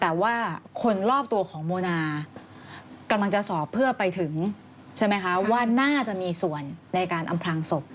แต่ว่าคนรอบตัวของโมนากำลังจะสอบเพื่อไปถึงใช่ไหมคะว่าน่าจะมีส่วนในการอำพลางศพ